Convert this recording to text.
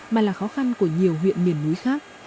mà là khó khăn của nhiều huyện miền núi khác